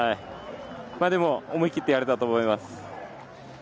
でも、思い切ってやれたと思います。